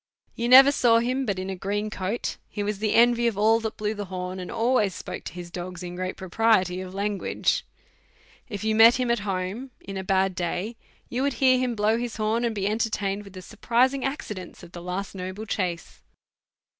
You never saw him but in a green coat ; he was the envy of all that blew the horn, and always spoke to his dogs in great propriety of language. If you met him at home in a bad day, you would hear him blow his horn, and be entertained with the surprising accidents of the last noble chace.